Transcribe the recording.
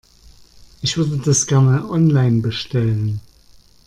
Ich würde das gerne online bestellen.